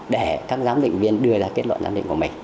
để các giám định viên đưa ra kết luận giám định của mình